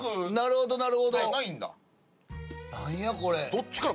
どっちから？